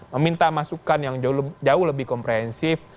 meminta masukan yang jauh lebih komprehensif